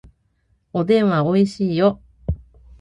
おでんはおいしいよ